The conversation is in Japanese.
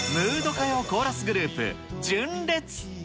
歌謡コーラスグループ、純烈。